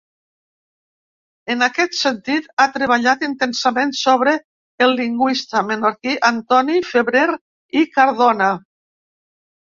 En aquest sentit, ha treballat intensament sobre el lingüista menorquí Antoni Febrer i Cardona.